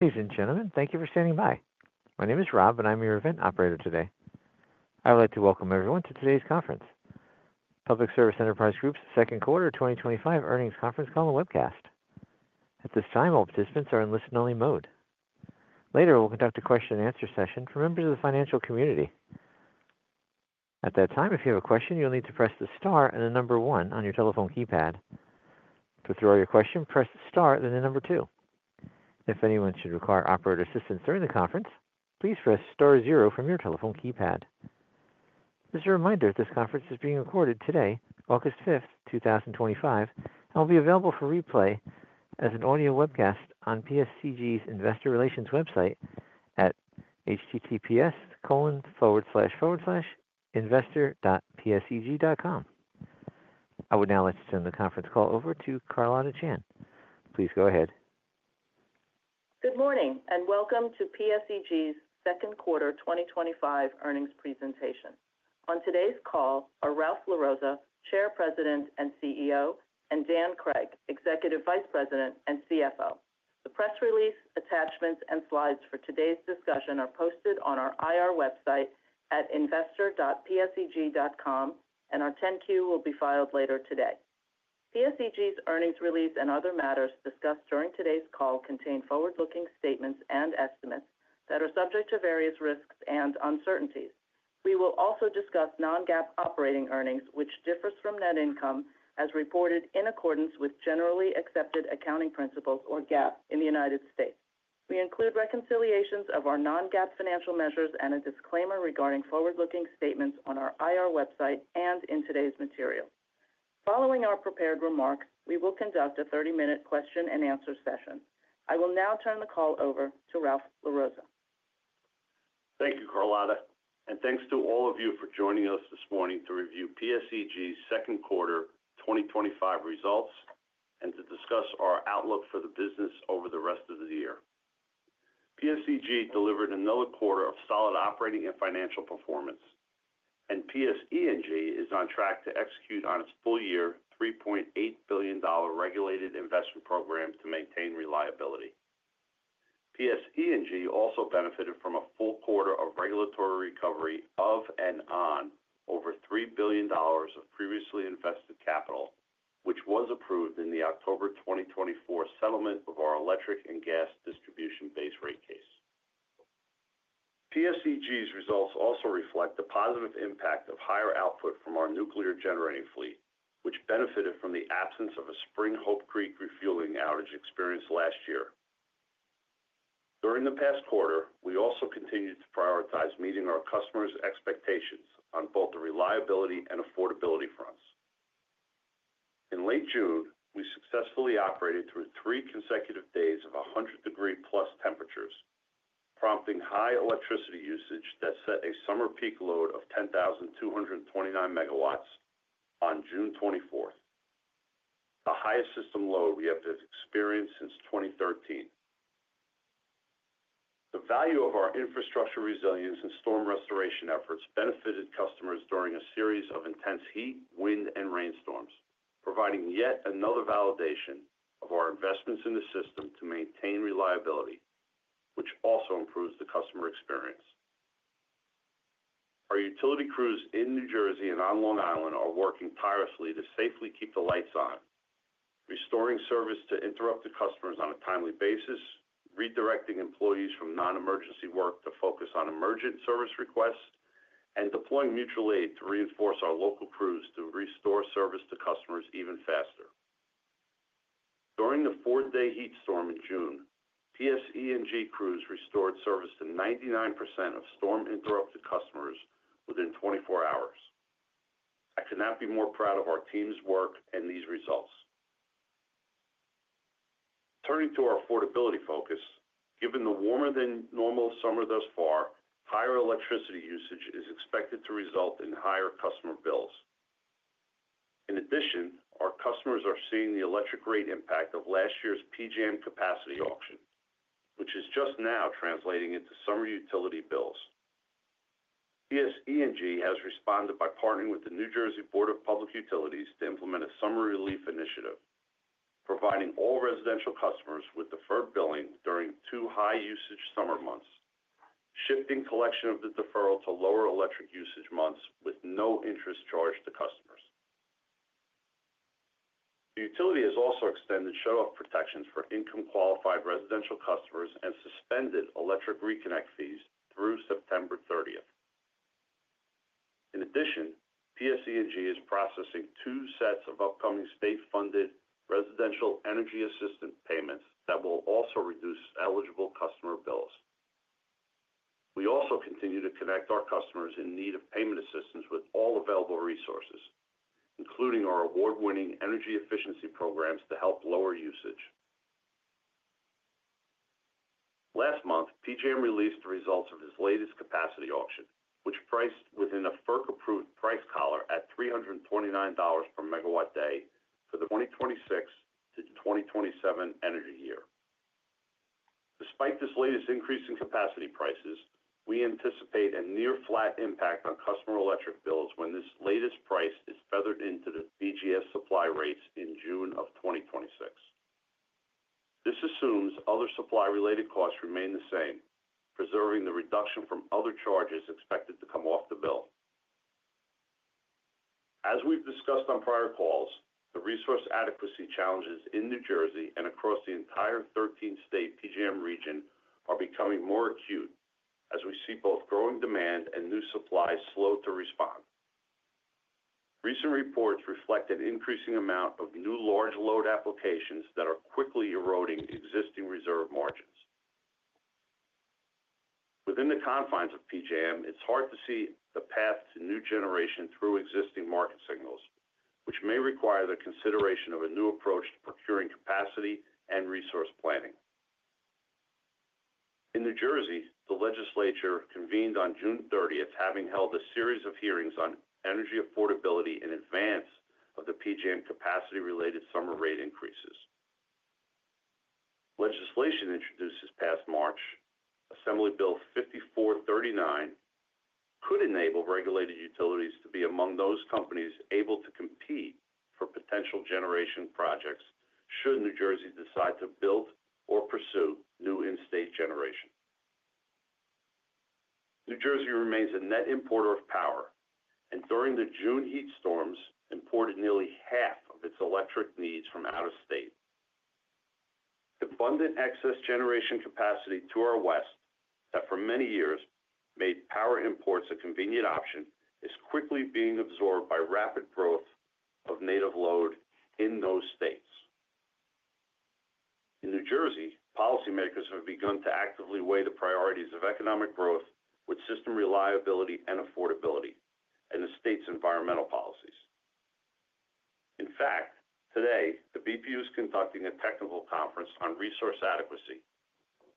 Ladies and gentlemen, thank you for standing by. My name is Rob and I'm your event operator today. I would like to welcome everyone to today's conference, Public Service Enterprise Group's second quarter 2025 earnings conference call and webcast. At this time, all participants are in listen-only mode. Later, we'll conduct a question-and-answer session for members of the financial community. At that time, if you have a question, you'll need to press the star and the number one on your telephone keypad. To withdraw your question, press star then the number two. If anyone should require operator assistance during the conference, please press star zero from your telephone keypad. As a reminder, this conference is being recorded today, August 5, 2025, and will be available for replay as an audio webcast on PSEG's investor relations website. I would now like to turn the conference call over to Carlotta Chan. Please go ahead. Good morning and welcome to PSEG's second quarter 2025 earnings presentation. On today's call are Ralph LaRossa, Chair, President and CEO, and Dan Cregg, Executive Vice President and CFO. The press release, attachments, and slides for today's discussion are posted on our IR website at investor.pseg.com, and our 10-Q will be filed later today. PSEG's earnings release and other matters discussed during today's call contain forward-looking statements and estimates that are subject to various risks and uncertainties. We will also discuss non-GAAP operating earnings, which differs from net income as reported in accordance with Generally Accepted Accounting Principles, or GAAP, in the United States. We include reconciliations of our non-GAAP financial measures and a disclaimer regarding forward-looking statements on our IR website and in today's material. Following our prepared remarks, we will conduct a 30-minute question-and-answer session. I will now turn the call over to Ralph LaRossa. Thank you, Carlotta, and thanks to all of you for joining us this morning to review Public Service Enterprise Group's second quarter 2025 results and to discuss our outlook for the business over the rest of the year. Public Service Enterprise Group delivered another quarter of solid operating and financial performance, and PSE&G is on track to execute on its full year $3.8 billion regulated investment program to maintain reliability. Public Service Enterprise Group also benefited from a full quarter of regulatory recovery of and on over $3 billion of previously invested capital, which was approved in the October 2024 settlement of our electric and gas distribution base rate case. Public Service Enterprise Group's results also reflect the positive impact of higher output from our nuclear generating fleet, which benefited from the absence of a spring Hope Creek refueling outage experienced last year. During the past quarter, we also continued to prioritize meeting our customers' expectations on both the reliability and affordability fronts. In late June, we successfully operated through three consecutive days of 100 degree plus temperatures, prompting high electricity usage that set a summer peak load of 10,229 MW on June 24, the highest system load we have experienced since 2013. The value of our infrastructure resilience and storm restoration efforts benefited customers during a series of intense heat, wind, and rainstorms, providing yet another validation of our investments in the system to maintain reliability, which also improves the customer experience. Our utility crews in New Jersey and on Long Island are working tirelessly to safely keep the lights on, restoring service to interrupted customers on a timely basis, redirecting employees from non-emergency work to focus on emergent service requests, and deploying mutual aid to reinforce our local crews to restore service to customers even faster. During the four-day heat storm in June, PSE&G crews restored service to 99% of storm-interrupted customers within 24 hours. I could not be more proud of our team's work and these results. Turning to our affordability focus, given the warmer than normal summer thus far, higher electricity usage is expected to result in higher customer bills. In addition, our customers are seeing the electric rate impact of last year's PJM capacity auction, which is just now translating into summer utility bills. PSEG has responded by partnering with the New Jersey Board of Public Utilities to implement a summer relief initiative providing all residential customers with deferred billing during two high usage summer months, shifting collection of the deferral to lower electric usage months with no interest charged to customers. The utility has also extended shutoff protections for income qualified residential customers and suspended electric reconnect fees through September 30. In addition, PSE&G is processing two sets of upcoming state funded residential energy assistance payments that will also reduce eligible customer bills. We also continue to connect our customers in need of payment assistance with all available resources, including our award-winning energy efficiency programs to help lower usage. Last month PJM released the results of its latest capacity auction, which priced within a FERC-approved price collar at $329 per megawatt day for the 2026-2027 energy year. Despite this latest increase in capacity prices, we anticipate a near flat impact on customer electric bills when this latest price is feathered into the BGS supply rates in June of 2026. This assumes other supply related costs remain the same, preserving the reduction from other charges expected to come off the bill. As we've discussed on prior calls, the resource adequacy challenges in New Jersey and across the entire 13-state PJM region are becoming more acute as we see both growing demand and new supply slow to respond. Recent reports reflect an increasing amount of new large load applications that are currently quickly eroding existing reserve margins within the confines of PJM. It's hard to see the path to new generation through existing market signals, which may require the consideration of a new approach to procuring capacity and resource planning in New Jersey. The legislature convened on June 30, having held a series of hearings on energy affordability in advance of the PJM capacity-related summer rate increases. Legislation introduced this past March, Assembly Bill 5439, could enable regulated utilities to be among those companies able to compete for potential generation projects should New Jersey decide to build or pursue new in-state generation. New Jersey remains a net importer of power and during the June heat storms imported nearly half of its electric needs from out of state. Abundant excess generation capacity to our west that for many years made power imports a convenient option is quickly being absorbed by rapid growth of native load in those states. In New Jersey, policymakers have begun to actively weigh the priorities of economic growth with system reliability and affordability and the state's environmental policies. In fact, today the BPU is conducting a technical conference on resource adequacy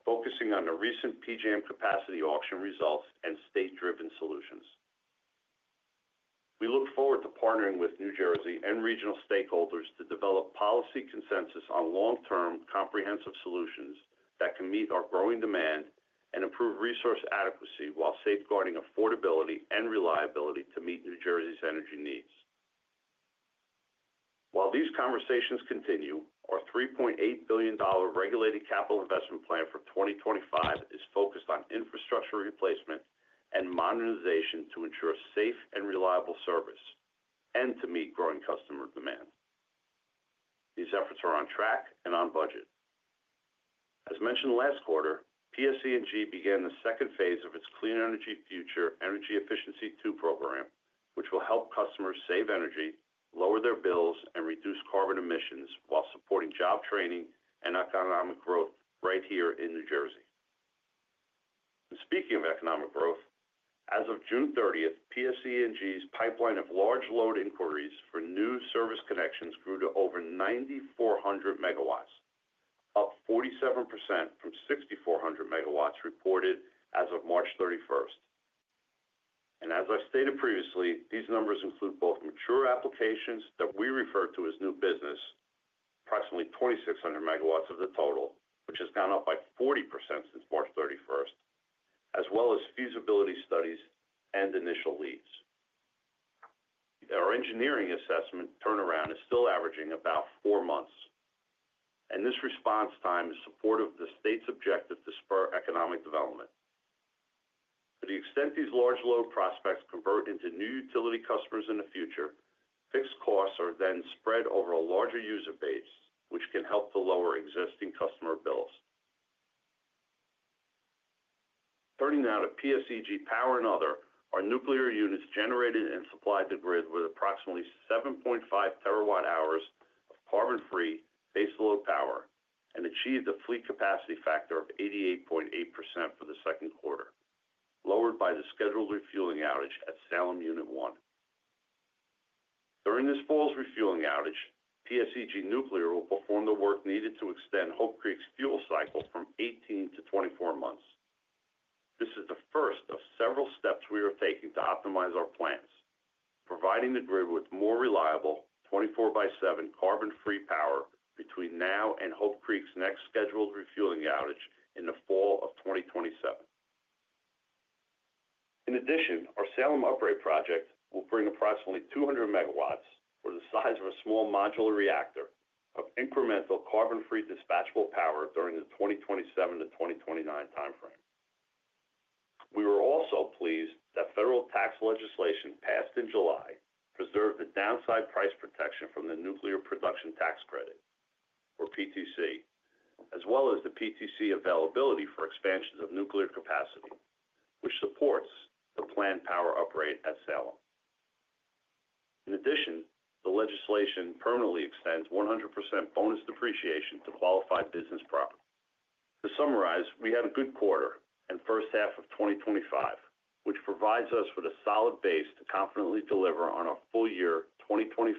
focusing on the recent PJM capacity auction results and state-driven solutions. We look forward to partnering with New Jersey and regional stakeholders to develop policy consensus on long-term comprehensive solutions that can meet our growing demand and improve resource adequacy while safeguarding affordability and reliability to meet New Jersey's energy needs. While these conversations continue, our $3.8 billion regulated capital investment plan for 2025 is focused on infrastructure replacement and modernization to ensure safe and reliable service and to meet growing customer demand. These efforts are on track and on budget. As mentioned last quarter, Public Service Enterprise Group began the second phase of its Clean Energy Future Energy Efficiency 2 program which will help customers save energy, lower their bills, and reduce carbon emissions while supporting job training and economic growth right here in New Jersey. Speaking of economic growth, as of June 30, PSE&G's pipeline of large load inquiries for new service connections grew to over 94, up 47% from 6,400 MW reported as of March 31. As I stated previously, these numbers include both mature applications that we refer to as new business, approximately 2,600 MW of the total which has gone up by 40% since March 31, as well as feasibility studies and initial leads. Our engineering assessment turnaround is still averaging about four months and this response time is supportive of the state's objective to spur economic development. To the extent these large load prospects convert into new utility customers in the future, fixed costs are then spread over a larger user base which can help to lower existing customer bills. Turning now to PSEG Power, our nuclear units generated and supplied the grid with approximately 7.5 TWh carbon-free baseload power and achieved a fleet capacity factor of 88.8% for the second quarter, lowered by the scheduled refueling outage at Salem Unit 1. During this fall's refueling outage, PSEG Nuclear will perform the work needed to extend Hope Creek's fuel cycles from 18 to 24 months. This is the first of several steps we are taking to optimize our plans, providing the grid with more reliable 24x7 carbon free power between now and Hope Creek's next scheduled refueling outage in the fall of 2027. In addition, our Salem upgrade project will bring approximately 200 MW, or the size of a small modular reactor, of incremental carbon free dispatchable power during the 2027-2029 timeframe. We were also pleased that federal tax legislation passed in July preserved the downside price protection from the Nuclear Production Tax Credit, or PTC, as well as the PTC availability for expansions of nuclear capacity, which supports the planned power upgrade at Salem. In addition, the legislation permanently extends 100% bonus depreciation to qualified business property. To summarize, we had a good quarter and first half of 2025, which provides us with a solid base to confidently deliver on our full year 2025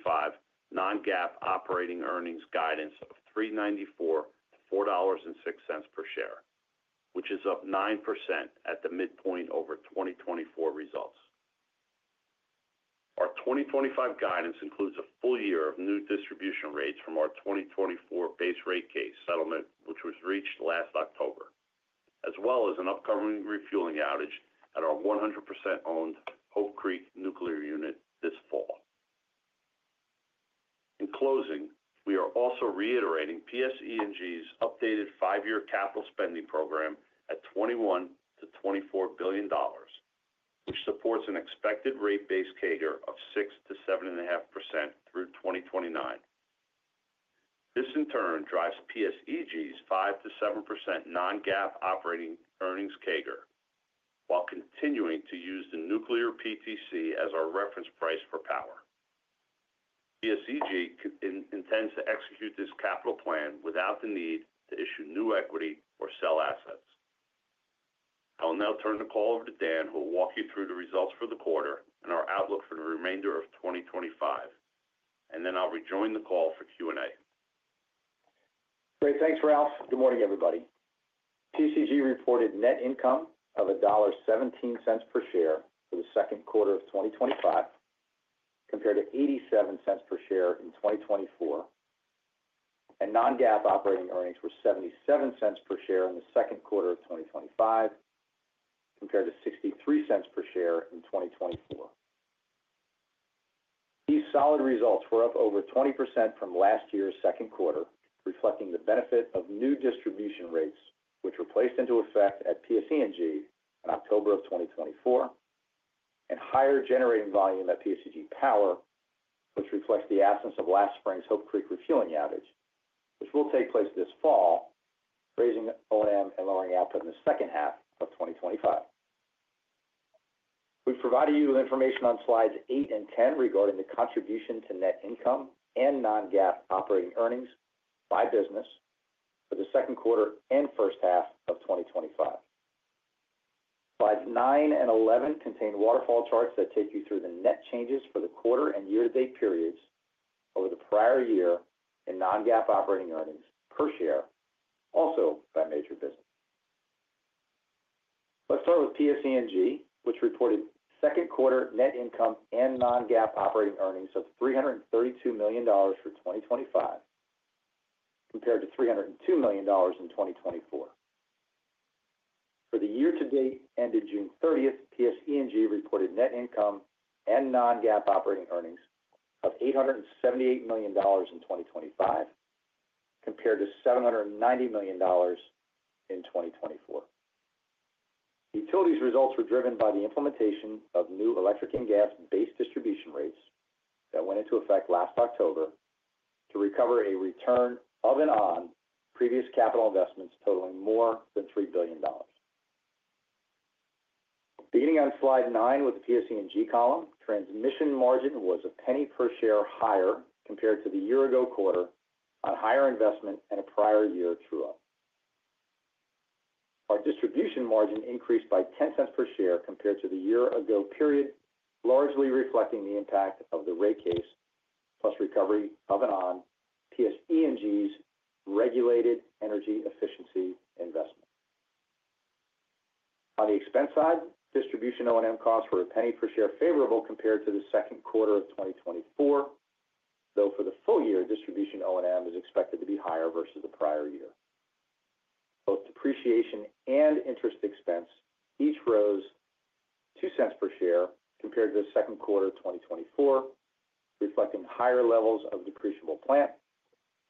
non-GAAP operating earnings guidance of $3.94-$4.06 per share, which is up 9% at the midpoint over 2024 results. Our 2025 guidance includes a full year of new distribution rates from our 2024 base rate case settlement rate, which was reached last October, as well as an upcoming refueling outage at our 100% owned Hope Creek Nuclear unit this fall. In closing, we are also reiterating PSEG's updated five-year capital spending program at $21 billion-$24 billion, which supports an expected rate base CAGR of 6%-7.5% through 2029. This in turn drives PSEG's 5%-7% non-GAAP operating earnings CAGR while continuing to use the nuclear PTC as our reference price for power. PSEG intends to execute this capital plan without the need to issue new equity or sell assets. I will now turn the call over to Dan, who will walk you through the results for the quarter and our outlook for the remainder of 2025, and then I'll rejoin the call for Q and A. Great. Thanks, Ralph. Good morning everybody. PSEG reported net income of $1.17 per share in the second quarter of 2025 compared to $0.87 per share in 2024, and non-GAAP operating earnings were $0.77 per share in the second quarter of 2025 compared to $0.63 per share in 2024. These solid results were up over 20% from last year's second quarter, reflecting the benefit of new distribution rates which were placed into effect at PSE&G in October of 2024 and higher generating volume at PSEG Power, which reflects the absence of last spring's Hope Creek refueling outage. Will take place this fall. Raising O&M and lowering outcome in the second half of 2025, we've provided you with information on slides 8 and 10 regarding the contribution to net income and non-GAAP operating earnings by business for the second quarter and first half of 2025. Slides nine and 11 contain waterfall charts that take you through the net changes for the quarter and year-to-date periods over the prior year in non-GAAP operating earnings per share, also by major business. Let's start with PSE&G, which reported second quarter net income and non-GAAP operating earnings of $332 million for 2025 compared to $302 million in 2024. For the year-to-date ended June 30, PSE&G reported net income and non-GAAP operating earnings of $878 million in 2025 compared to $790 million in 2024. Utilities results were driven by the implementation of new electric and gas base distribution rates that went into effect last October to recover a return of and on previous capital investments totaling more than $3 billion. Beginning on slide 9 with the Public Service Enterprise Group column, transmission margin was a penny per share higher compared to the year-ago quarter on higher investment and a prior. Year true-up. Our distribution margin increased by $0.10 per share compared to the year ago period, largely reflecting the impact of the rate case plus recovery of an on PSE&G's regulated energy efficiency investment. On the expense side, distribution O&M costs were a penny per share favorable compared to the second quarter of 2024, though for the full year distribution O&M is expected to be higher versus the prior year. Both depreciation and interest expense each rose $0.02 per share compared to the second quarter 2024, reflecting higher levels of depreciable plant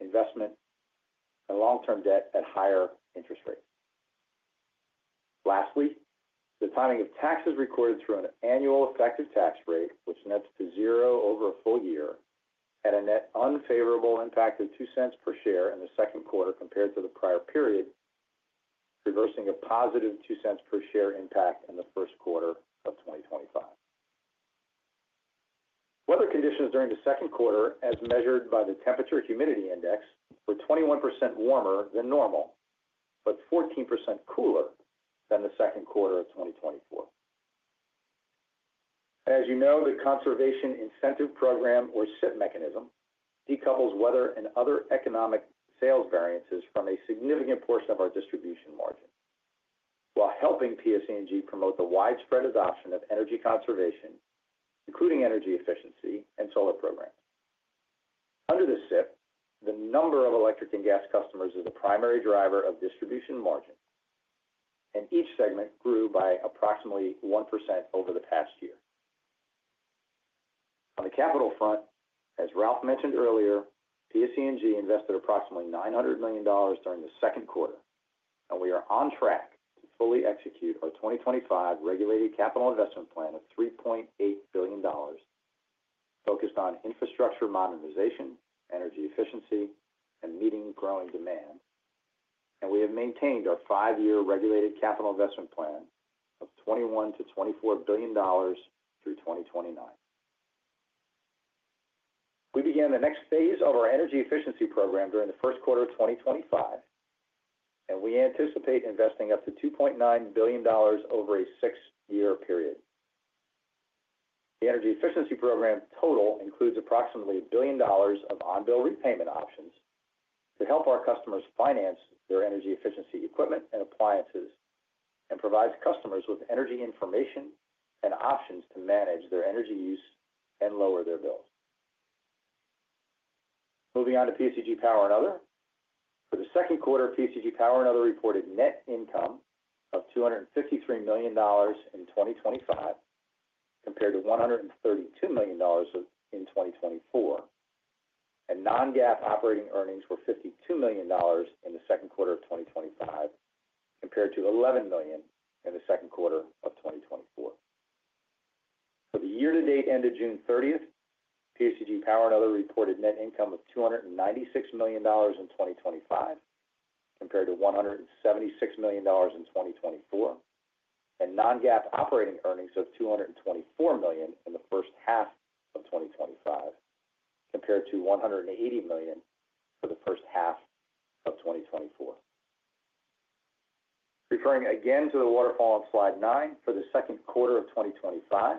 investment and long term debt at higher interest rates. Lastly, the timing of taxes recorded through an annual effective tax rate, which nets to zero over a full year, had a net unfavorable impact of $0.02 per share in the second quarter compared to the prior period, reversing a positive $0.02 per share impact in the first quarter of 2025. Weather conditions during the second quarter, as measured by the temperature humidity index, were 21% warmer than normal but 14% cooler than the second quarter of 2024. As you know, the Conservation Incentive Program or mechanism decouples weather and other economic sales variances from a significant portion of our distribution margin while helping PSE&G promote the widespread adoption of energy conservation, including energy efficiency and solar program. Under the CIP, the number of electric and gas customers is the primary driver of distribution margin and each segment grew by approximately 1% over the past year. On the capital front, as Ralph mentioned earlier, PSE&G invested approximately $900 million during the second quarter and we are on track to fully execute our 2025 regulated capital investment plan of $3.8 billion focused on infrastructure modernization, energy efficiency and meeting growing demand, and we have maintained our five year regulated capital investment plan of $21 billion-$24 billion through 2029. We began the next phase of our energy efficiency program during the first quarter of 2025 and we anticipate investing up to $2.9 billion over a six year period. The energy efficiency program total includes approximately $1 billion of on bill repayment options to help our customers finance their energy efficiency equipment and appliances and provides customers with energy information and options to manage their energy use and lower their bills. Moving on to PSEG Power and Other for the second quarter, PSEG Power and Other reported net income of $253 million in 2025 compared to $132 million in 2024, and non-GAAP operating earnings were $52 million in the second quarter of 2025 compared to $11 million in the second quarter of 2024. For the year to date ended June 30, PSEG Power and Other reported net income of $296 million in 2025 compared to $176 million in 2024, and non-GAAP operating earnings of $224 million in the first half of 2025 compared to $180 million in the first half of 2024. Referring again to the waterfall on Slide nine, for the second quarter of 2025,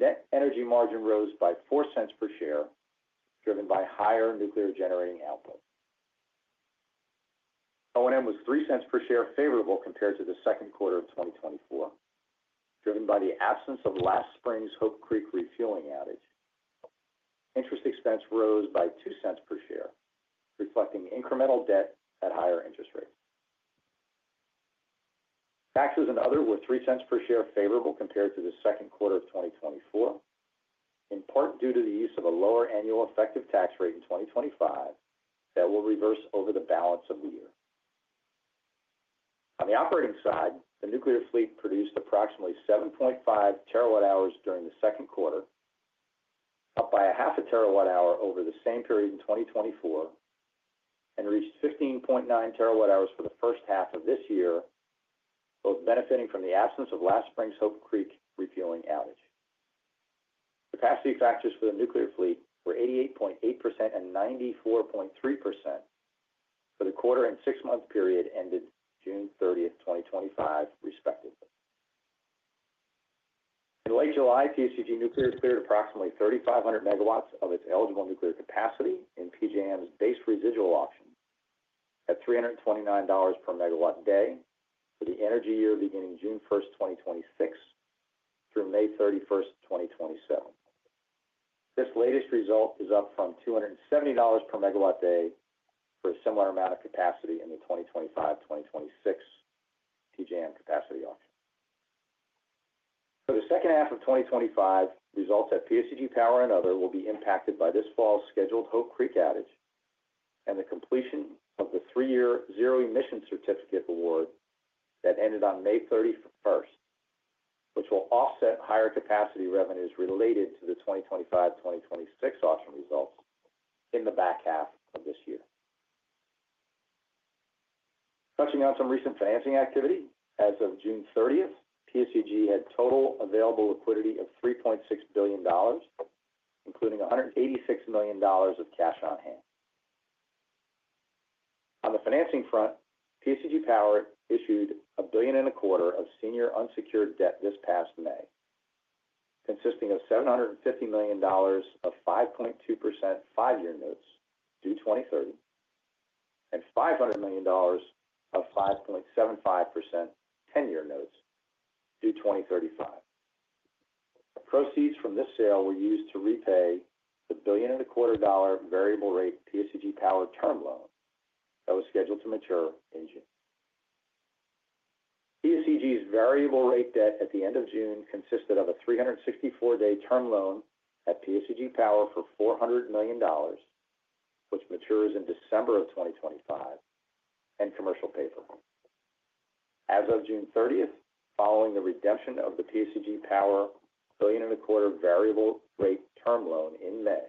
net energy margin rose by $0.04 per share driven by higher nuclear generating output. O&M was $0.03 per share favorable compared to the second quarter of 2024, driven by the absence of last spring's Hope Creek refueling outage. Interest expense rose by $0.02 per share, reflecting incremental debt at higher interest rates. Taxes and other were $0.03 per share favorable compared to the second quarter of 2024, in part due to the use of a lower annual effective tax rate in 2025 that will reverse over the balance of the year. On the operating side, the nuclear fleet produced approximately 7.5 TWh during the second quarter, up by a half a terawatt hour over the same period in 2024, and reached 15.9 TWh for the first half of this year, both benefiting from the absence of last spring's Hope Creek refueling outage. Capacity factors for the nuclear fleet were 88.8% and 94.3% for the quarter and six-month period ended June 30, 2025, respectively. In late July, PSEG Nuclear has cleared approximately 3,500 MW of its eligible nuclear capacity in PJM's base residual auction at $329 per megawatt-day with the energy year beginning June 1, 2026 through May 31, 2027. This latest result is up from $270 per megawatt-day with a similar amount of capacity in the 2025-2026 PJM capacity auction for the second half of 2025. Results at PSEG Power and Other will be impacted by this fall's scheduled Hope Creek outage and the completion of the three-year zero emission certificate award that ended on May 31, which will offset higher capacity revenues related to the 2025-2026 auction results in the back half of this year. Touching on some recent financing activity, as of June 30, PSEG had total available liquidity of $3.6 billion including $186 million of cash on hand. On the financing front, PSEG Power issued $1.25 billion of senior unsecured debt this past May consisting of $750 million of 5.2% five-year notes due 2030 and $500 million of 5.75% ten-year notes due 2035. Proceeds from this sale were used to repay the $1.25 billion variable rate PSEG Power term loan that was scheduled to mature in June. PSEG's variable rate debt at the end of June consisted of a 364-day term loan at PSEG Power for $400 million which matures in December of 2025 and commercial paper as of June 30 following the redemption of the PSEG Power $1.25 billion variable rate term loan in May.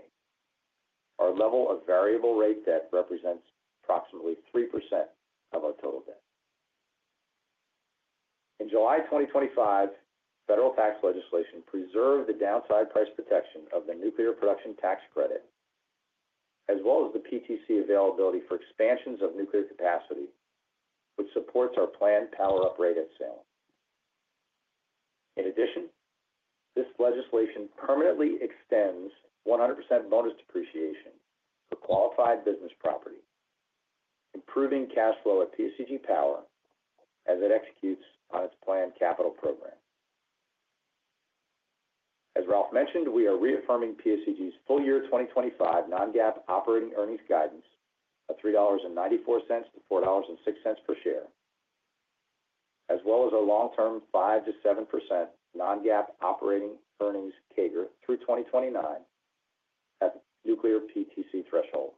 Our level of variable rate debt represents approximately 3% of our total debt in July 2025. Federal tax legislation preserves the downside price protection of the Nuclear Production Tax Credit as well as the PTC availability for expansions of nuclear capacity which supports our planned power uprate at Salem. In addition, this legislation permanently extends 100% bonus depreciation of qualified business property, improving cash flow at PSEG Power as it executes on its planned capital program. As Ralph mentioned, we are reaffirming PSEG's full year 2025 non-GAAP operating earnings guidance of $3.94-$4.06 per share as well as a long-term 5%-7% non-GAAP operating earnings CAGR through 2029 nuclear PTC threshold.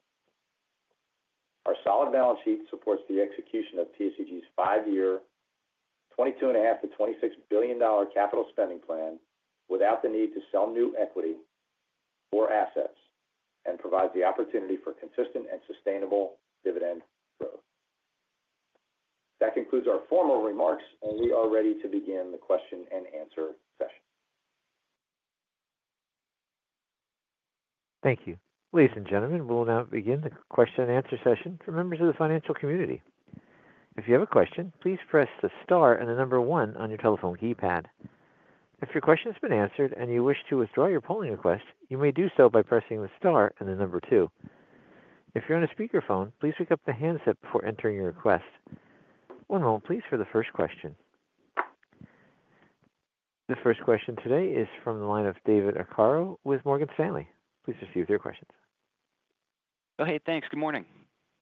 Our solid balance sheet supports the execution of PSEG's five-year $22.5 billion-$26 billion capital spending plan without the need to sell new equity or assets and provides the opportunity for consistent and sustainable dividend growth. That concludes our formal remarks and we are ready to begin the question. Thank you, ladies and gentlemen. We will now begin the question-and-answer session for members of the financial community. If you have a question, please press the star and the number one on your telephone keypad. If your question has been answered and you wish to withdraw your polling request, you may do so by pressing the star and the number two. If you're on a speakerphone, please pick up the handset before entering your request. One moment please. The first question today is from the line of David Arcaro with Morgan Stanley. Please proceed with your questions. Oh, hey, thanks. Good morning.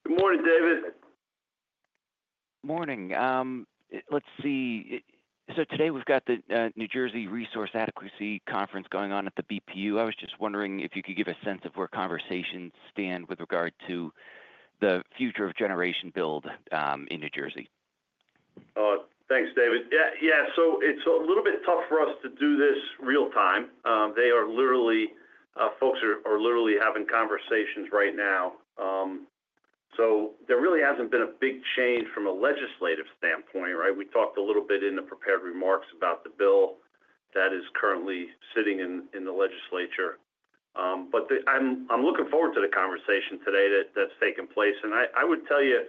Good morning, David. Morning. Let's see. Today we've got the New Jersey. Resource Adequacy Conference going on at the BPU. I was just wondering if you could give a sense of where conversations stand with regard to the future of generation build in New Jersey. Thanks, David. Yeah, it's a little bit tough for us to do this real time. Folks are literally having conversations right now. There really hasn't been a big change from a legislative standpoint. We talked a little bit in the prepared remarks about the bill that is currently sitting in the legislature. I'm looking forward to the conversation today that's taken place. I would tell you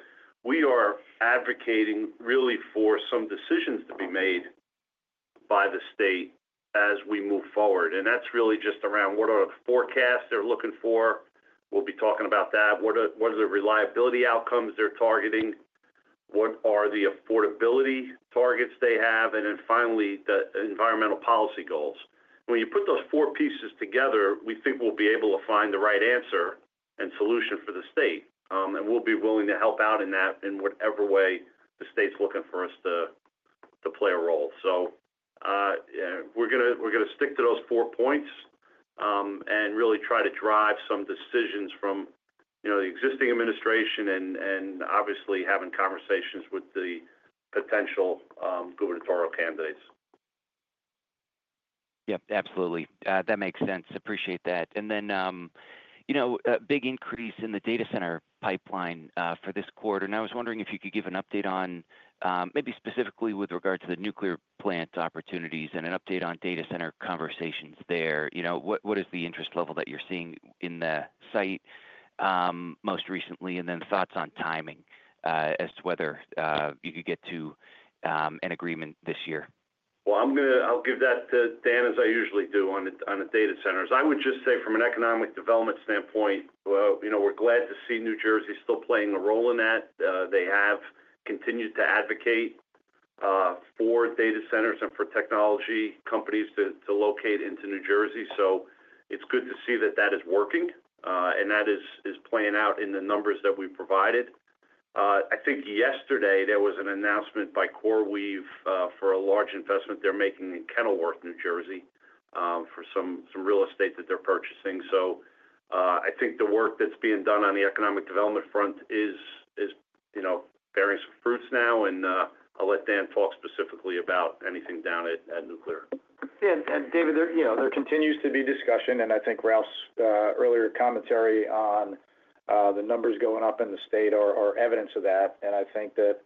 we are advocating really for some decisions to be made by the state as we move forward. That's really just around what are the forecasts they're looking for. We'll be talking about that, what are the reliability outcomes they're targeting, what are the affordability targets they have, and finally the environmental policy goals. When you put those four pieces together, we think we'll be able to find the right answer and solution for the state and we'll be willing to help out in that in whatever way the state's looking for us to play a role. We're going to stick to those four points and really try to drive some decisions from the existing administration and obviously having conversations with the potential gubernatorial candidates. Absolutely, that makes sense. Appreciate that. There is a big increase in the data center pipeline for this quarter. I was wondering if you could give an update on maybe specifically with regard to the nuclear plant opportunities and an update on data center conversations there. What is the interest level that you're seeing in the site most recently? Thoughts on timing as to whether you could get to an agreement this year? I'm going to give that to Dan as I usually do on the data centers. I would just say from an economic development standpoint, we're glad to see New Jersey still playing a role in that. They have continued to advocate for data centers and for technology companies to locate into New Jersey. It's good to see that is working and that is playing out in the numbers that we provided. I think yesterday there was an announcement by CoreWeave for a large investment they're making in Kenilworth, New Jersey, for some real estate that they're purchasing. I think the work that's being done on the economic development front is bearing some fruits now. I'll let Dan talk specifically about anything down at Nuclear. David, you know, there continues to be discussion, and I think Ralph's earlier commentary on the numbers going up in the state are evidence of that. I think that,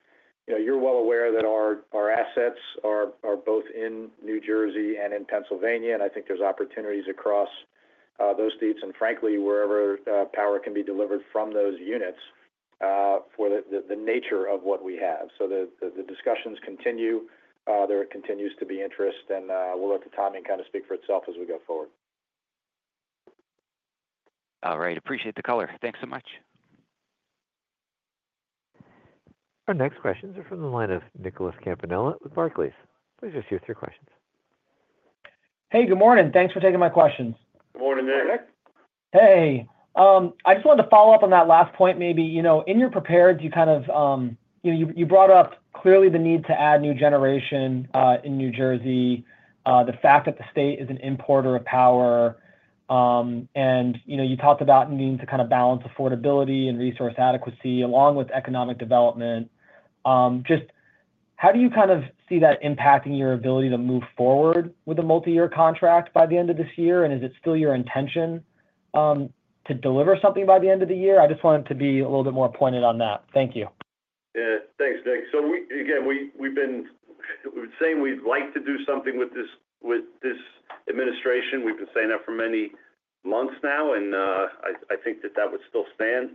you know, you're well aware that our assets are both in New Jersey and in Pennsylvania, and I think those states and frankly, wherever power can be delivered from those units for the nature of what we have. The discussions continue. There continues to be interest, and we'll let the timing kind of speak for itself as we go forward. All right. Appreciate the color. Thanks so much. Our next questions are from the line of Nick Campanella with Barclays. Please just use your questions. Hey, good morning. Thanks for taking my questions. Good morning. Hey, I just wanted to follow up on that last point. In your prepared, you brought up clearly the need to add new generation in New Jersey, the fact that the state is an importer of power. You talked about needing to balance affordability and resource adequacy along with economic development. Just how do you see that impacting your ability to move forward with a multi year contract by the. End of this year? Is it still your intention to deliver something by the end of the year? I just wanted to be a little bit more pointed on that. Thank you. Yeah, thanks, Nick. We've been saying we'd like to do something with this, with this administration. We've been saying that for many months now. I think that that would still stand.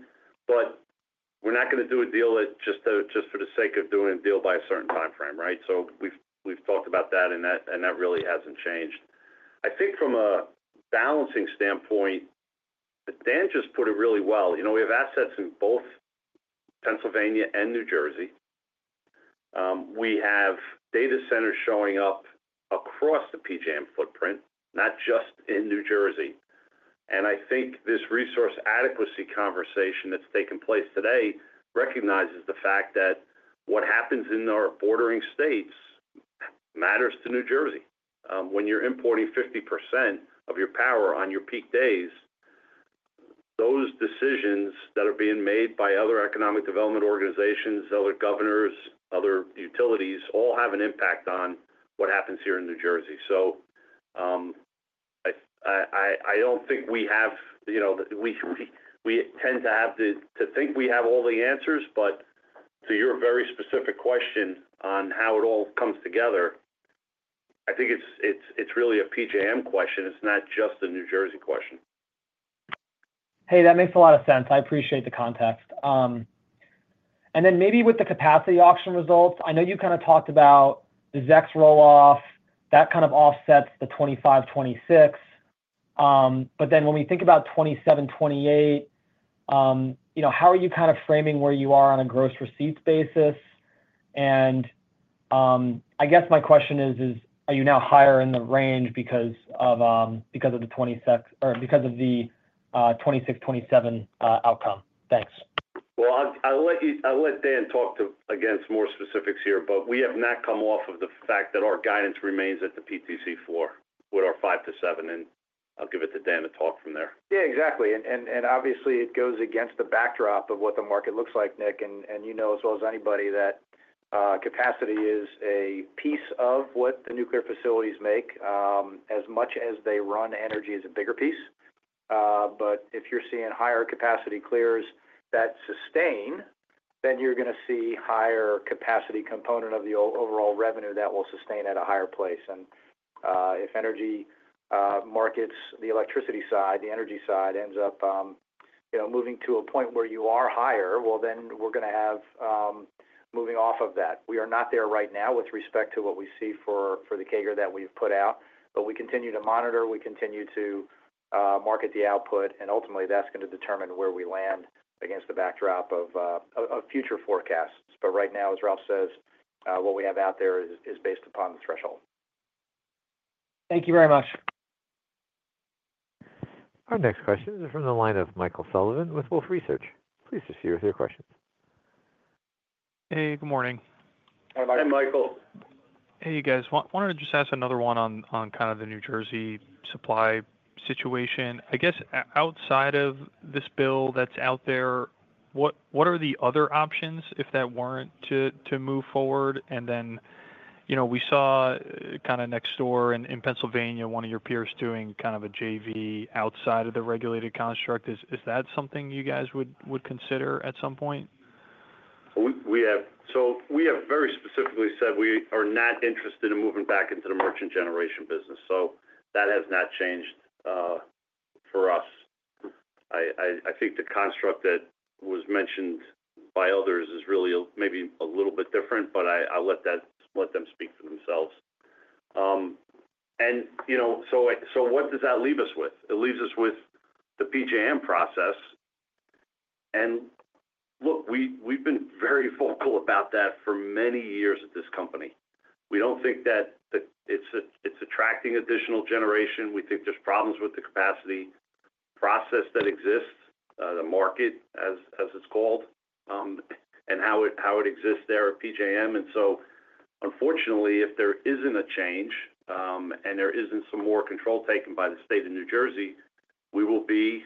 We're not going to do a deal just for the sake of doing a deal by a certain time frame. We've talked about that and that really hasn't changed. I think from a balancing standpoint, Dan just put it really well. We have assets in both Pennsylvania and New Jersey. We have data centers showing up across the PJM footprint, not just in New Jersey. I think this resource adequacy conversation that's taken place today recognizes the fact that what happens in our bordering states matters to New Jersey. When you're importing 50% of your power on your peak days, those decisions that are being made by other economic development organizations, other governors, other utilities, all have an impact on what happens here in New Jersey. I don't think we have, you know, we tend to have to think we have all the answers. To your very specific question on how it all comes together, I think it's really a PJM question. It's not just a New Jersey question. Hey, that makes a lot of sense. I appreciate the context. Maybe with the capacity auction results, I know you kind of talked about the Zacks roll off that kind of offsets the 2025, 2026. When we think about 2027, 2028, how are you kind of framing where you are on a gross receipts basis? I guess my question is, are you now higher in the range because of the 2026 or because of the 2026, 2027 outcome? Thanks. I'll let Dan talk to again some more specifics here, but we have not come off of the fact that our guidance remains at the PTC 4 with our 5-7. I'll give it to Dan to talk from there. Yeah, exactly. It goes against the backdrop of what the market looks like, Nick. You know as well as anybody that capacity is a piece of what the nuclear facilities make as much as they run energy as a bigger piece. If you're seeing higher capacity clears that sustain, then you're going to see higher capacity component of the overall revenue that will sustain at a higher place. If energy markets, the electricity side, the energy side ends up moving to a point where you are higher, we're going to have moving off of that. We are not there right now with respect to what we see for the CAGR that we've put out, but we continue to monitor, we continue to market the output and ultimately that's going to determine where we land against the backdrop of future forecasts. Right now, as Ralph says, what we have out there is based upon the threshold. Thank you very much. Our next question is from the line of Michael Sullivan with Wolfe Research. Please proceed with your questions. Hey, good morning. Hi Michael. Hey, you guys, wanted to just ask another one on kind of the New Jersey supply situation. I guess outside of this bill that's out there, what are the other options if that weren't to move forward? You know, we saw kind of next door in Pennsylvania one of your peers doing kind of a JV outside of the regulated construct. Is that something you guys would consider at some point? We have, so we have very specifically said we are not interested in moving back into the merchant generation business. That has not changed for us. I think the construct that was mentioned by others is really maybe a little bit different, but I let them speak for themselves and you know, what does that leave us with? It leaves us with the PJM process. Look, we've been very vocal about that for many years at this company. We don't think that it's attracting additional generation. We think there's problems with the capacity process that exists, the market, as it's called, and how it exists there at PJM. Unfortunately, if there isn't a change and there isn't some more control taken by the state of New Jersey, we will be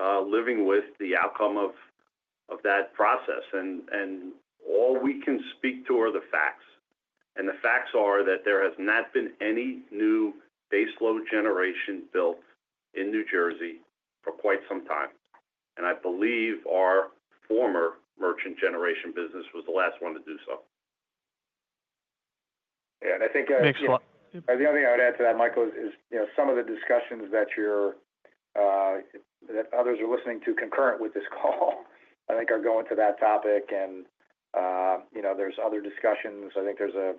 living with the outcome of that process. All we can speak to are the facts. The facts are that there has not been any new baseload generation built in New Jersey for quite some time. I believe our former merchant generation business was the last one to do so. Yeah. I think the other thing I would add to that, Michael, is, you know, some of the discussions that you're, that others are listening to concurrent with this call, I think are going to that topic. You know, there's other discussions. I think there's a.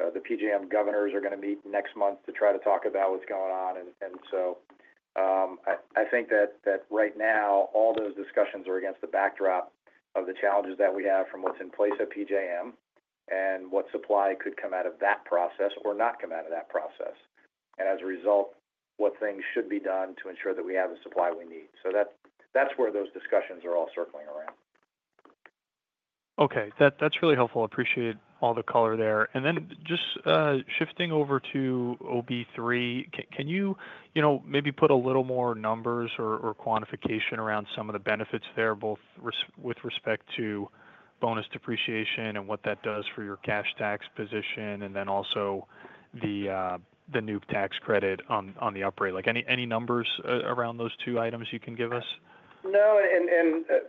The PJM governors are going to meet next month to try to talk about what's going on. I think that right now all those discussions are against the backdrop of the challenges that we have from what's in place at PJM and what supply could come out of that process or not come out of that process. As a result, what things should be done to ensure that we have the supply we need. That's where those discussions are all circling around. Okay, that's really helpful. Appreciate all the color there. Just shifting over to OB3, can you maybe put a little more numbers or quantification around some of the benefits there, both with respect to bonus depreciation and what that does for your cash tax position, and then also the new tax credit on the upgrade. Any numbers around those two items you can give us? No.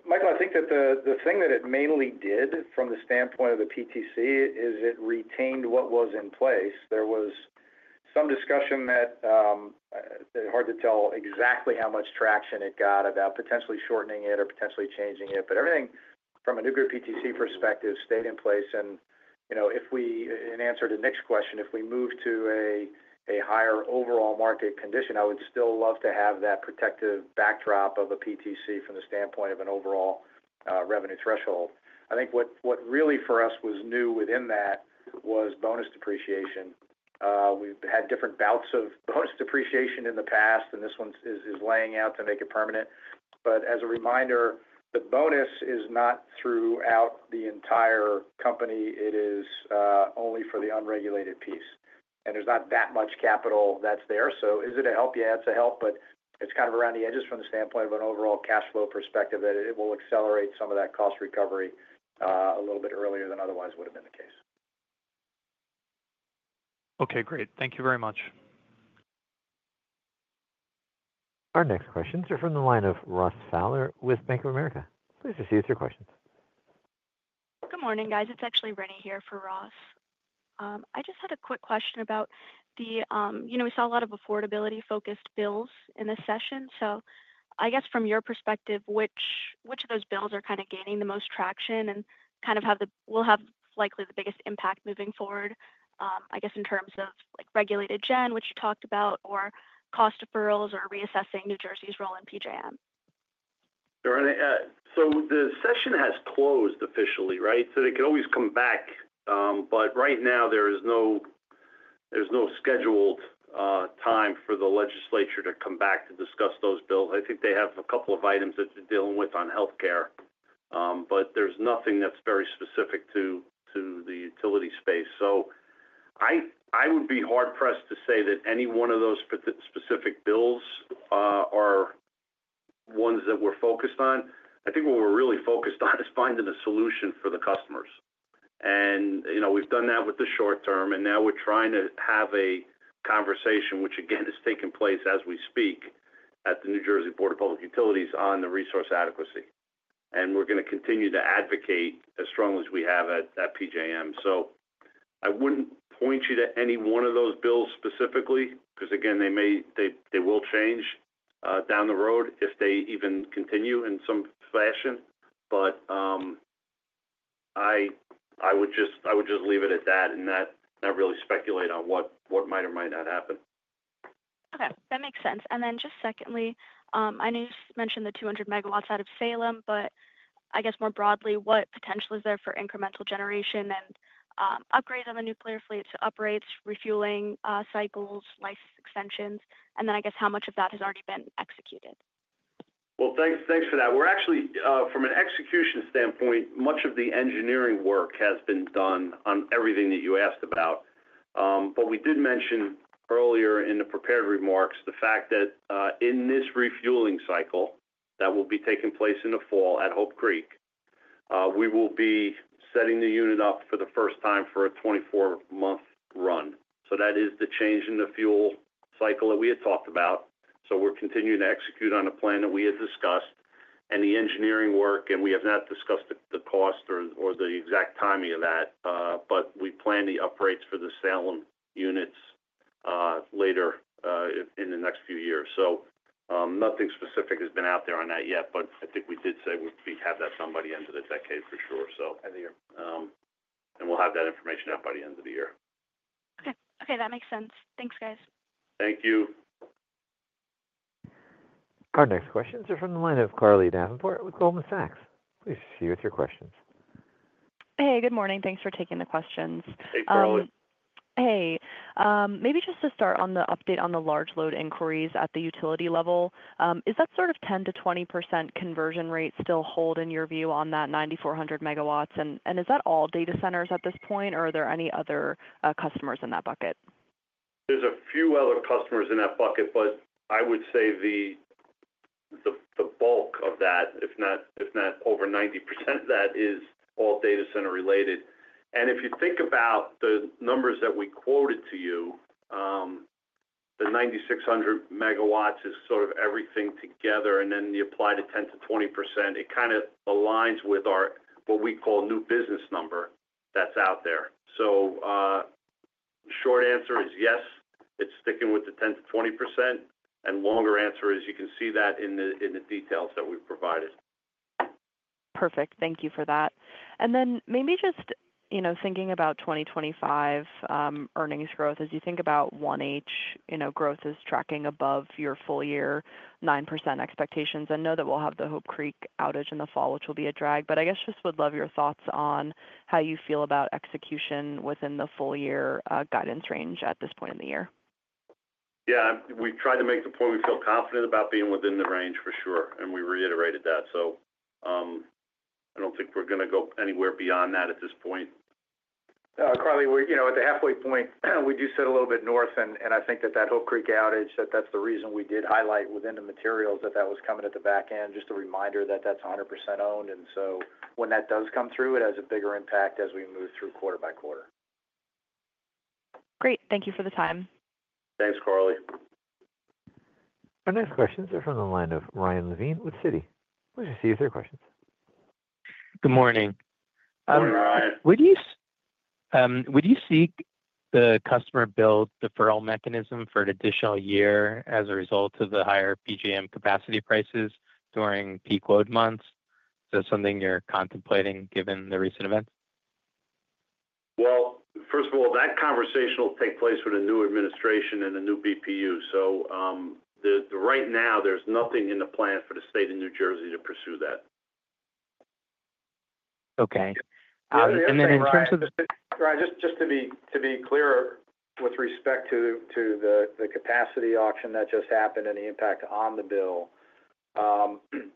Michael, I think that the thing that it mainly did from the standpoint of the PTC is it retained what was in place. There was some discussion that, hard to tell exactly how much traction it got, about potentially shortening it or potentially changing it. Everything from a new group PTC perspective stayed in place. If we, in answer to Nick's question, move to a higher overall market condition, I would still love to have that protective backdrop of a PTC from the standpoint of an overall revenue threshold. What really for us was new within that was bonus depreciation. We had different bouts of bonus depreciation in the past and this one is laying out to make it permanent. As a reminder, the bonus is not throughout the entire company. It is only for the unregulated piece and there's not that much capital that's there. Is it a help? Yeah, it's a help, but it's kind of around the edges from the standpoint of an overall cash flow perspective that it will accelerate some of that cost recovery a little bit earlier than otherwise. Would have been the case. Okay, great. Thank you very much. Our next questions are from the line of Ross Fowler with Bank of America. Please receive your questions. Good morning, guys. It's actually Rennie here for Ross. I just had a quick question about the, you know, we saw a lot of affordability focused bills in this session. I guess from your perspective, which of those bills are kind of gaining the most traction and kind of will have likely the biggest impact moving forward, I guess in terms of like regulated gen, which you talked about, or cost deferrals or reassessing New Jersey's role in PJM. The session has closed officially. Right. They could always come back, but right now there is no scheduled time for the legislature to come back to discuss those bills. I think they have a couple of items that they're dealing with, like healthcare, but there's nothing that's very specific to the utility space. I would be hard pressed to say that any one of those specific bills are ones that we're focused on. I think what we're really focused on is finding a solution for the customers. We've done that with the short term and now we're trying to have a conversation which again is taking place as we speak at the New Jersey Board of Public Utilities on the resource adequacy, and we're going to continue to advocate as strongly as we have at PJM. I wouldn't point you to any one of those bills specifically because again, they may, they will change down the road if they even continue in some fashion. I would just leave it at that and not really speculate on what might or might not happen. Okay, that makes sense. Just secondly, I know you mentioned the 200 MW out of Salem, but I guess more broadly, what potential is there for incremental generation and upgrade of a nuclear fleet to upgrades, refueling cycles, life extensions, and then I guess how much of that has already been executed? Thank you for that. From an execution standpoint, much of the engineering work has been done on everything that you asked about. We did mention earlier in the prepared remarks the fact that in this refueling cycle that will be taking place in the fall at Hope Creek, we will be setting the unit up for the first time for a 24 month run. That is the change in the fuel cycle that we had talked about. We're continuing to execute on a plan that we have discussed and the engineering work, and we have not discussed the cost or the exact timing of that, but we plan the upgrades for the Salem units later in the next few years. Nothing specific has been out there on that yet. I think we did say we have that some by the end of the decade for sure. We'll have that information out by the end of the year. Okay. Okay, that makes sense. Thanks, guys. Thank you. Our next questions are from the line of Carly Davenport with Goldman Sachs. Please proceed with your questions. Hey, good morning. Thanks for taking the questions. Good morning. Maybe just to start on the update on the large load inquiries at the utility level. Is that sort of 10%-20% conversion rate still hold in your view on that 9,400 MW and is that all data centers at this point or are there any other customers in that bucket? are a few other customers in that bucket, but I would say the bulk of that, if not over 90% of that, is all data center related. If you think about the numbers that we quoted to you, the 9,600 MW is sort of everything together, and then the applied 10%-20% kind of aligns with our what we call new business number that's out there. Short answer is yes, it's sticking with the 10%-20%, and longer answer is you can see that in the details that we've provided. Perfect, thank you for that. Maybe just, you know, thinking about 2025 earnings growth as you think about 1H, you know, growth is tracking above your full year 9% expectations. I know that we'll have the Hope Creek outage in the fall, which will be a drag. I guess just would love your thoughts on how you feel about execution within the full year guidance range at this point in the year. Yeah, we tried to make the point. We feel confident about being within the range for sure, and we reiterated that. I don't think we're going to go anywhere beyond that at this point. Carly, you know, at the halfway point we do sit a little bit north, and I think that that Hope Creek outage, that's the reason we did highlight within the materials that that was coming at the back end. Just a reminder that that's 100% owned, and so when that does come through, it has a bigger impact as we move through quarter by quarter. Great. Thank you for the time. Thanks Carly. Our next questions are from the line of Ryan Levine with Citi. Please hear questions. Good morning. Would you seek the customer bill deferral mechanism for an additional year as a result of the higher PJM capacity prices during peak load months? Is that something you're contemplating given the recent event? That conversation will take place with a new administration and a new BPU. Right now there's nothing in the plan for the state of New Jersey to pursue that. Okay. In terms of, Just to. Be clearer, with respect to the capacity auction that just happened and the impact on the bill.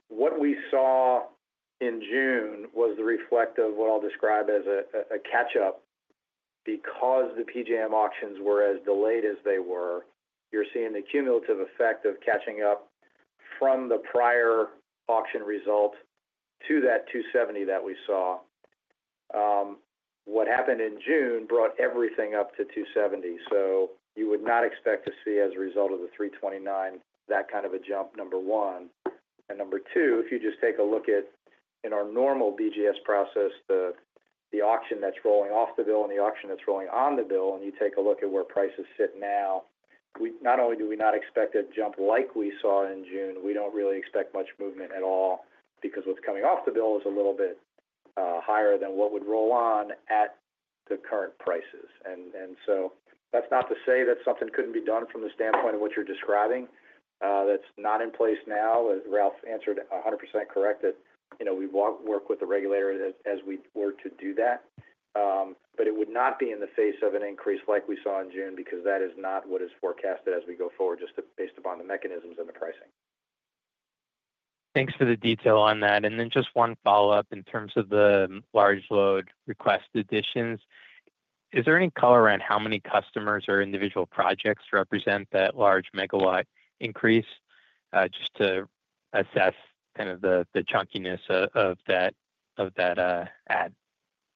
What we saw in. June was the reflect of what I'll describe as a catch up. Because the PJM auctions were as delayed as they were, you're seeing the cumulative effect of catching up from the prior auction result to that $270 that we saw. What happened in June brought everything up to $270. You would not expect to see as a result of the $329, that kind of a jump, number one. Number two, if you just take a look at, in our normal BGS process, the auction that's rolling off the bill and the auction that's rolling on the bill, and you take a look at where prices sit. Now, not only do we not expect a jump like we saw in June, we don't really expect much movement at all because what's coming off the bill is a little bit higher than what would roll on at the current prices. That's not to say that something couldn't be done from the standpoint of what you're describing that's not in place. Now, Ralph answered 100% correct that you know, we want to work with the regulator as we were to do that, but it would not be in the face of an increase like we saw in June because that is not what is forecasted as we go forward just based upon the mechanisms and the pricing. Thanks for the detail on that. Just one follow up. In terms of the large load request. Additions, is there any color on how many customers or individual projects represent that large megawatt increase? Just to assess kind of the chunkiness of that ad.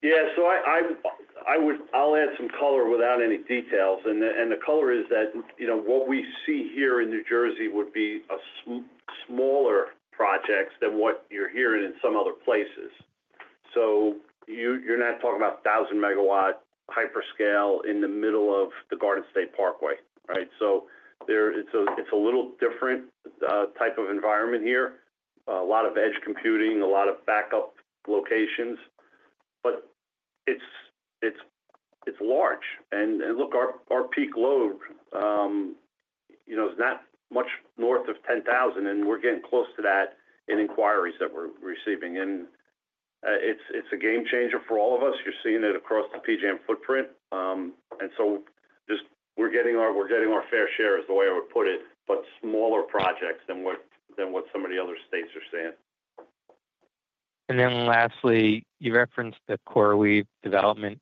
Yeah. I'll add some color without any details. The color is that what we see here in New Jersey would be smaller projects than what you're hearing in some other places. You're not talking about 1,000 MW hyperscale in the middle of the Garden State Parkway. It's a little different type of environment here. A lot of edge computing, a lot of backup locations, but it's large. Look, our peak load is not much north of 10,000 MW, and we're getting close to that in inquiries that we're receiving. It's a game changer for all of us. You're seeing it across the PJM footprint. We're getting our fair share is the way I would put it, but smaller projects than what some of the other states are saying. Lastly, you referenced the CoreWeave development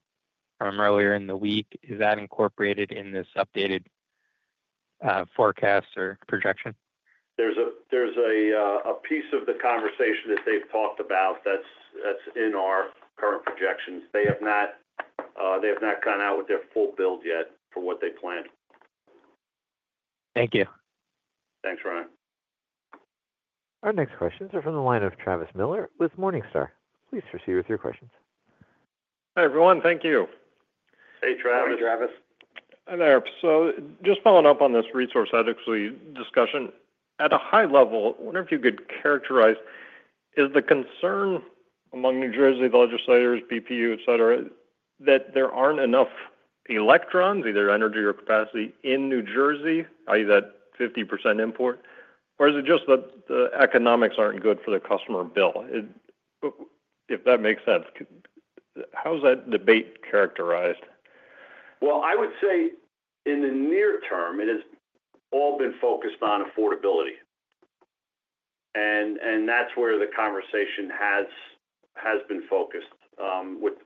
from earlier in the week. Is that incorporated in this updated forecast or projection? There's a piece of the conversation that they've talked about that's in our current projections. They have not gone out with their full build yet for what they planned. Thank you. Thanks, Ryan. Our next questions are from the line of Travis Miller with Morningstar. Please proceed with your questions. Hi, everyone. Thank you. Hey, Travis. Hi there. Just following up on this resource ethics discussion at a high level. Wonder if you could characterize is the concern among New Jersey legislators, BPU, etc. that there aren't enough electrons, either energy or capacity in New Jersey that is at 50% import, or is it just that the economics aren't good for the customer bill, if that makes sense. How's that debate characterized? I would say in the near term it has all been focused on affordability and that's where the conversation has been focused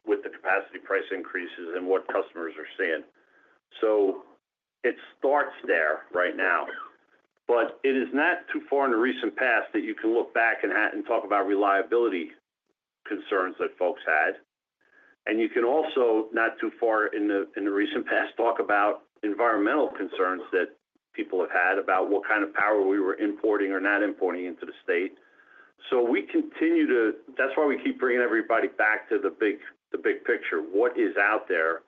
with the capacity, price increases and what customers are seeing. It starts there right now. It is not too far in the recent past that you can look back and talk about reliability concerns that folks had. You can also not too far in the recent past talk about environmental concerns that people have had about what kind of power we were importing or not importing into the state. We continue to, that's why we keep bringing everybody back to the big, the big picture. What is out there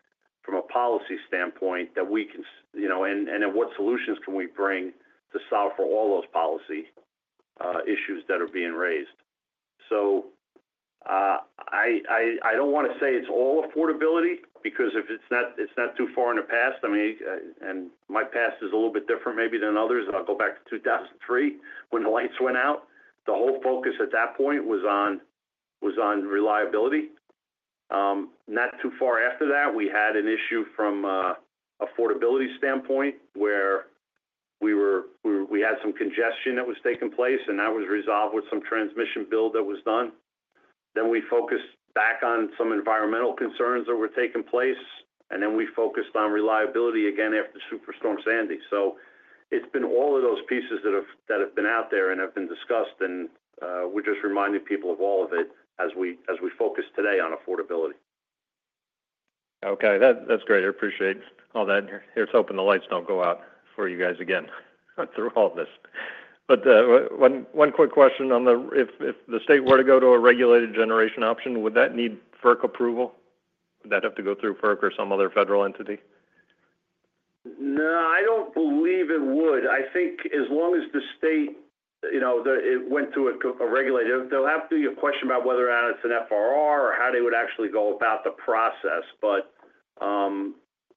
from a policy standpoint that we can, you know, and then what solutions can we bring to solve for all those policies, issues that are being raised? I don't want to say it's all affordability because if it's not too far in the past, I mean, and my past is a little bit different maybe than others. I'll go back to 2003, when the lights went out. The whole focus at that point was on reliability. Not too far after that, we had an issue from affordability standpoint where we had some congestion that was taking place and that was resolved with some transmission build that was done. We focused back on some environmental concerns that were taking place and then we focused on reliability again after Superstorm Sandy. It's been all of those pieces that have been out there and have been discussed and we just reminded people of all of it as we focus today on affordability. Okay, that's great. I appreciate all that. Here's hoping the lights don't go out for you guys again through all this. One quick question on the, if the state were to go to a regulated generation option, would that need FERC approval? Would that have to go through FERC or some other federal entity? No, I don't believe it would. I think as long as the state, you know, it went to a regulator, they'll have to be a question about whether or not it's an FRR or how they would actually go about the process.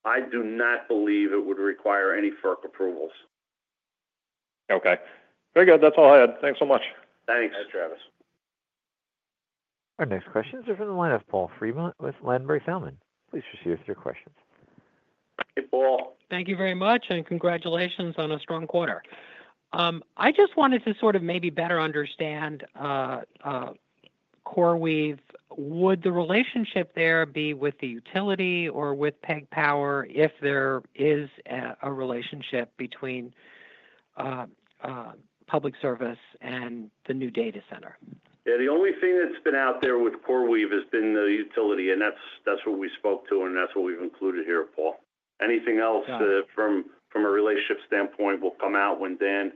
I do not believe it would require any FERC approvals. Okay, very good. That's all I had. Thanks so much. Thanks, Travis. Our next questions are from the line of Paul Fremont with Ladenburg Thalmann. Please proceed with your questions. Paul. Thank you very much, and congratulations. On a strong quarter. I just wanted to maybe better understand. CoreWeave. Would the relationship there be with the utility or with PSEG Power? If there is a relationship between. Public. Service and the new data center? Yeah. The only thing that's been out there with CoreWeave has been the utility. That's what we spoke to and that's what we've included here. Paul, anything else from a relationship standpoint will come out when Dan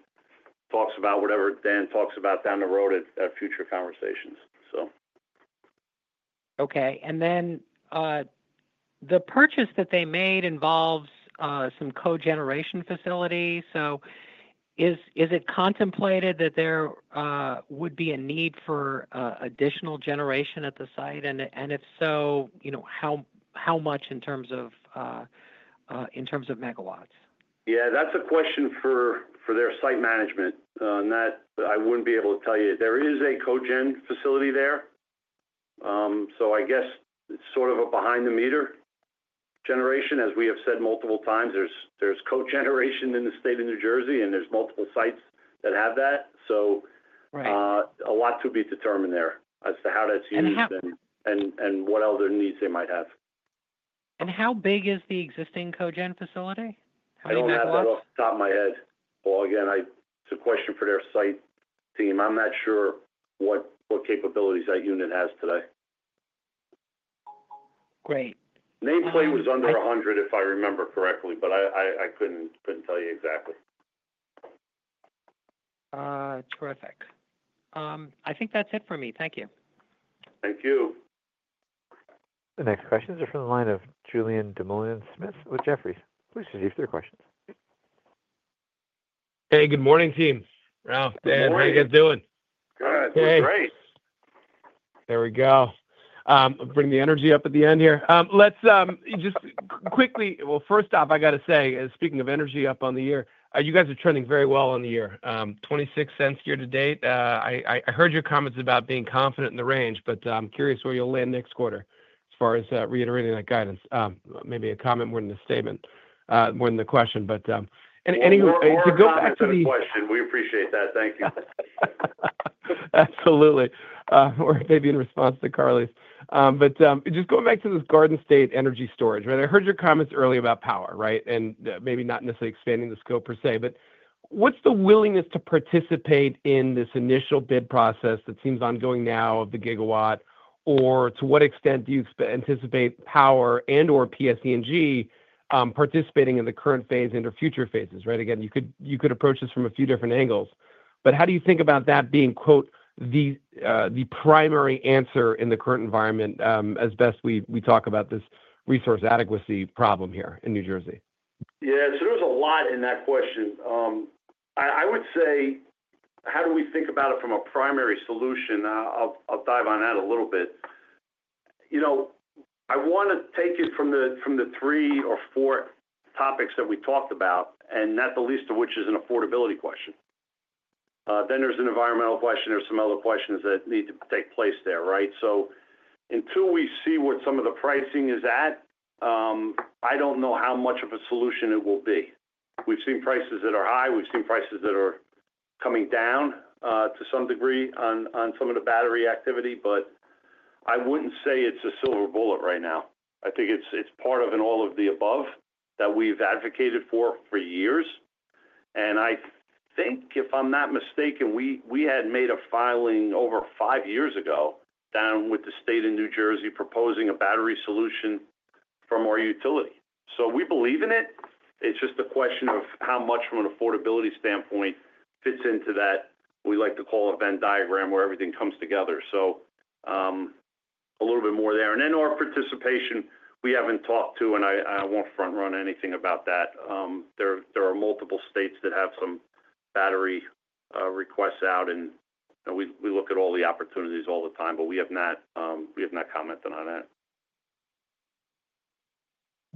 talks about whatever Dan talks about down the road at future conversations. Okay. The purchase that they made involves some cogeneration facilities. Is it contemplated that there would be a need for additional generation at the site? If so, you know, how much in terms of megawatts? Yeah, that's a question for their site management. I wouldn't be able to tell you. There is a cogen facility there, so I guess it's sort of a behind the meter generation. As we have said multiple times, there's cogeneration in the state of New Jersey and there's multiple sites that have that. A lot to be determined there as to how that's used and what other needs they might have. How big is the existing cogen facility? I don't have that off the top of my head. Again, it's a question for their site team. I'm not sure what capabilities that unit has today. Great. Nameplate was under 100 if I remember correctly, but I couldn't tell you exactly. Terrific. I think that's it for me. Thank you. Thank you. The next questions are from the line of Julien Dumoulin-Smith with Jefferies. Please receive their questions. Hey, good morning, team Ralph, Dan. How you guys doing? Great. There we go. Bring the energy up at the end here. Let's just quickly, first off, I gotta say speaking of energy up on the year, you guys are trending very well on the year, $0.26 year to date. I heard your comments about being confident in the range, but I'm curious where you'll land quarter as far as reiterating that guidance. Maybe a comment more than a statement, more than the question. To go back to the question, we appreciate that. Thank you. Absolutely. Maybe in response to Carly's, just going back to this Garden State Energy Storage. Right. I heard your comments earlier about power. Right. Maybe not necessarily expanding the scope per se, but what's the willingness to participate in this initial bid process that seems ongoing now of the gigawatt, or to what extent do you anticipate Power and or PSEG participating in the current phase or future phases. Right. Again, you could approach this from a few different angles. How do you think about that being, quote, the primary answer in the current environment as best we talk about this resource adequacy problem here in New Jersey? Yeah, there's a lot in that question. I would say how do we think about it from a primary solution? I'll dive on that a little bit. I want to take it from the three or four topics that we talked about and not the least of which is an affordability question. There is an environmental question or some other questions that need to take place there. Until we see what some of the pricing is at, I don't know how much of a solution it will be. We've seen prices that are high, we've seen prices that are coming down to some degree on some of the battery activity. I wouldn't say it's a silver bullet right now. I think it's part of an all of the above that we've advocated for years. I think if I'm not mistaken, we had made a filing over five years ago down with the state of New Jersey proposing a battery solution from our utility. We believe in it. It's just a question of how much from an affordability standpoint fits into that we like to call a Venn diagram where everything comes together, so a little bit more there and then our participation. We haven't talked to and I won't front run anything about that. There are multiple states that have some battery requests out and we look at all the opportunities all the time, but we have not commented on that.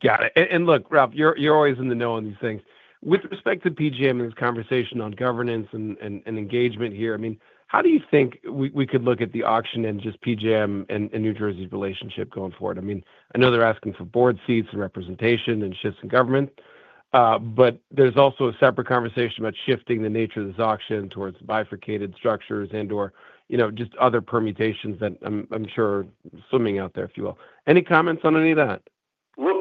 Got it. Ralph, you're always in the know on these things with respect to PJM and this conversation on governance and engagement here. How do you think we could look at the auction and just PJM and New Jersey's relationship going forward? I know they're asking for board seats and representation and shifts in government, but there's also a separate conversation about shifting the nature of this auction towards bifurcated structures or just other permutations that I'm sure are swimming. Out there, if you will. Any comments on any of that? Look,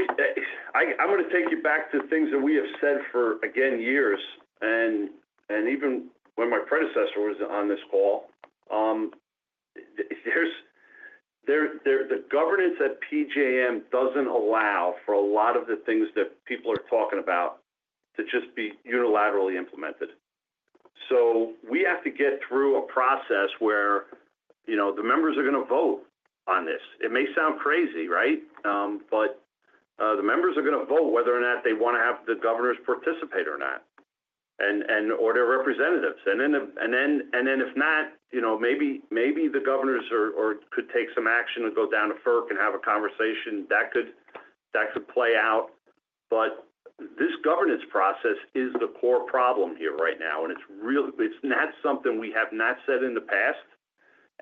I'm going to take you back to things that we have said for, again, years and even when my predecessor was on this call, the governance at PJM doesn't allow for a lot of the things that people are talking about to just be unilaterally implemented. We have to get through a process where the members are going to vote on this. It may sound crazy, right, but the members are going to vote whether or not they want to have the governors participate or not, or their representatives. If not, maybe the governors could take some action to go down to FERC and have a conversation that could play out. This governance process is the core problem here right now. It's real. It's not something we have not said in the past.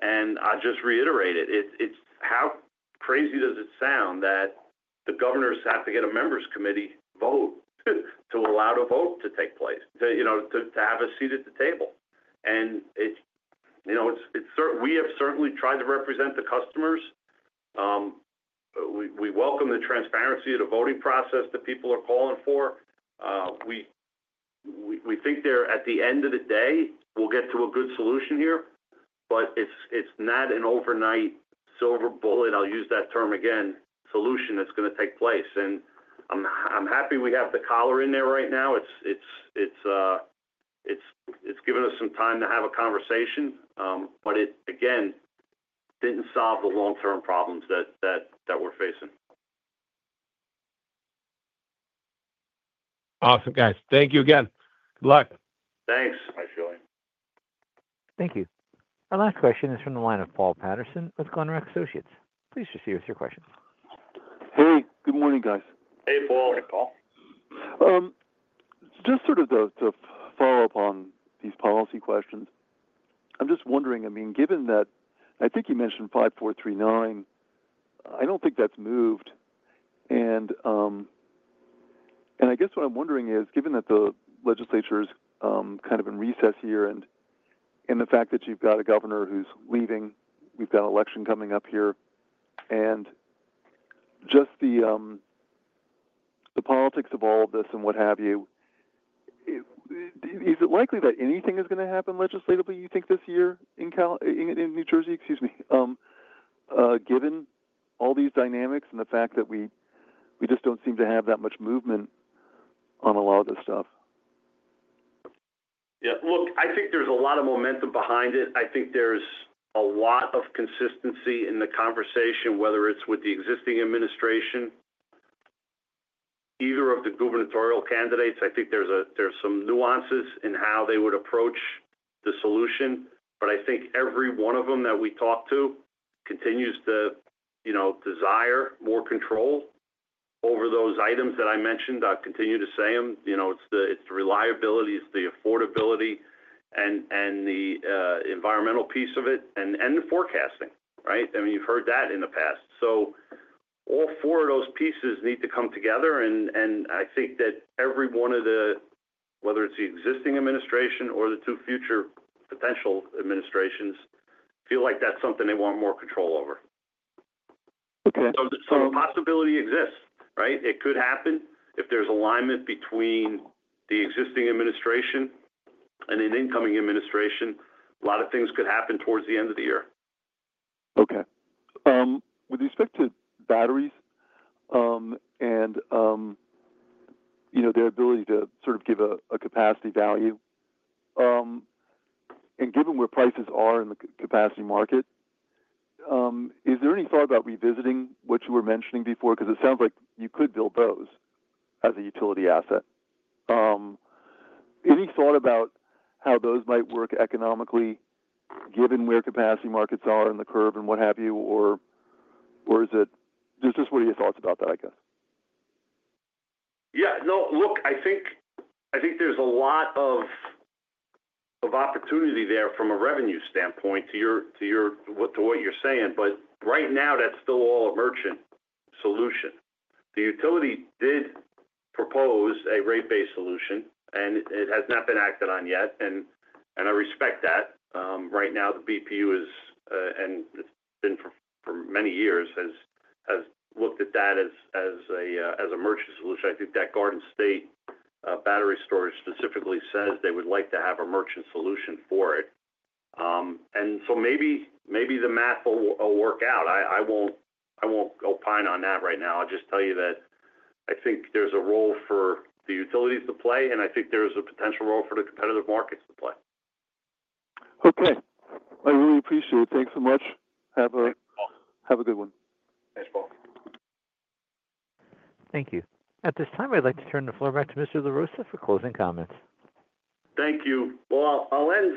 I just reiterate it. How crazy does it sound that the governors have to get a members committee vote to allow a vote to take place, to have a seat at the table? We have certainly tried to represent the customers. We welcome the transparency of the voting process that people are calling for. We think at the end of the day we'll get to a good solution here. It's not an overnight silver bullet, I'll use that term again, solution that's going to take place and I'm happy we have the collar in there right now. It's given us some time to have a conversation but it again didn't solve the long term problems that we're facing. Awesome guys. Thank you again. Thanks. I feel you. Thank you. Our last question is from the line of Paul Patterson with Glenrock Associates, please proceed with your question. Good morning guys. Hey Paul. Just to follow up on these policy questions. I'm just wondering, I mean given that I think you mentioned Assembly Bill 5439, I don't think that's moved. I guess what I'm wondering is given that the legislature is kind of in recess here and the fact that you've got a governor who's leaving, we've got an election coming up here and just the politics of all of this and what have you. Is it likely that anything is going to happen legislatively, you think, this year in New Jersey, excuse me, given all these dynamics and the fact that we just don't seem to have that much movement on a lot of this stuff. Yeah, look, I think there's a lot of momentum behind it. I think there's a lot of consistency in the conversation, whether it's with the existing administration or either of the gubernatorial candidates. I think there's some nuances in how they would approach the solution. I think every one of them that we talk to continues to desire more control over those items that I mentioned. I continue to say them. It's the reliability, it's the affordability and the environmental piece of it and the forecasting. Right. I mean, you've heard that in the past. All four of those pieces need to come together. I think that every one of the, whether it's the existing administration or the two future potential administrations, feel like that's something they want more control over. Possibility exists. Right. It could happen. If there's alignment between the existing administration and an incoming administration, a lot of things could happen towards the end of the year. Okay. With respect to batteries and their ability to sort of give a capacity value, and given where prices are in the capacity market, is there any thought about revisiting what you were mentioning before? Because it sounds like you could build those as a utility asset. Any thought about how those might work economically, given where capacity markets are in the curve and what have you, or is it just what are your thoughts about that? I guess. Yeah. No, look, I think there's a lot of opportunity there from a revenue standpoint to what you're saying. Right now that's still all a merchant solution. The utility did propose a rate base solution and it has not been acted on yet. I respect that. Right now the BPU is, and it's been for many years, has looked at that as a merchant solution, which I think that Garden State Battery Storage specifically says they would like to have a merchant solution for it. Maybe the math works out. I won't opine on that right now. I'll just tell you that I think there's a role for the utilities to play and I think there's a potential role for the competitive markets to play. Okay, I really appreciate it. Thanks so much. Have a good one. Thank you. At this time, I'd like to turn the floor back to Mr. LaRossa for closing comments. Thank you. I'll end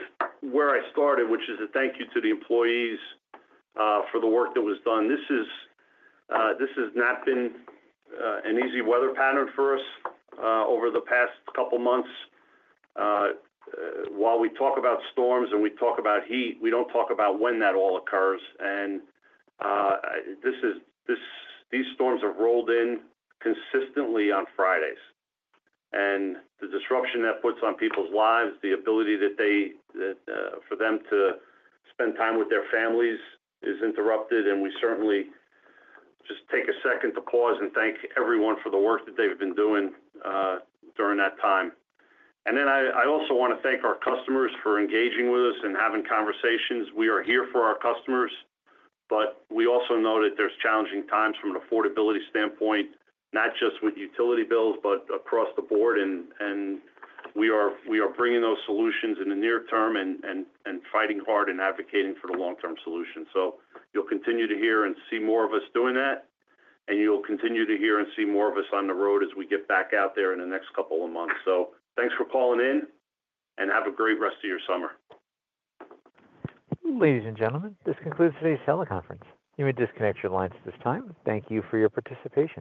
where I started, which is a thank you to the employees for the work that was done. This has not been an easy weather pattern for us over the past couple of months. While we talk about storms and we talk about heat, we don't talk about when that all occurs. These storms have rolled in consistently on Fridays, and the disruption that puts on people's lives, the ability for them to spend time with their families, is interrupted. We certainly just take a second to pause and thank everyone for the work that they've been doing during that time. I also want to thank our customers for engaging with us and having conversations. We are here for our customers, but we also know that there's challenging times from an affordability standpoint, not just with utility bills, but across the board. We are bringing those solutions in the near term and fighting hard and advocating for the long-term solution. You'll continue to hear and see more of us doing that, and you'll continue to hear and see more of us on the road as we get back out there in the next couple of months. Thanks for calling in and have a great rest of your summer. Ladies and gentlemen, this concludes today's teleconference. You may disconnect your lines at this time. Thank you for your participation.